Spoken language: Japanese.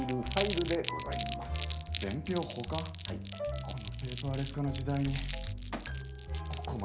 このペーパーレス化の時代にここまで遅れてるとは。